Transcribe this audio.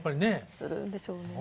するでしょうね。